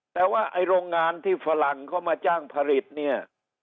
แต่ว่าไอ้โรงงานที่ฝรั่งเขามาจ้างผลิตเนี่ย